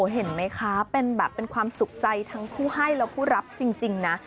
เห็นไหมคะเป็นแบบเป็นความสุขใจทั้งผู้ให้และผู้รับจริงนะ